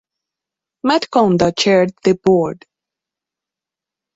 Matt Konda chaired the Board.